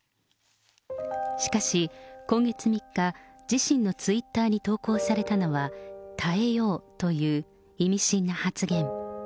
しかし、今月３日、自身のツイッターに投稿されたのは、耐えようっという意味深な発言。